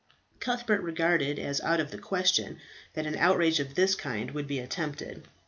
Cuthbert regarded as out of the question that an outrage of this kind would be attempted.